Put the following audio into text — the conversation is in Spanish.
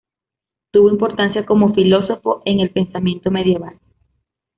Tuvo importancia como filósofo en el pensamiento medieval.